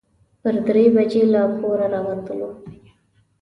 پر درې بجې له کوره راووتلو.